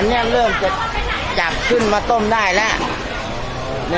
อันนี้เริ่มจะจับขึ้นมาต้มได้แล้ว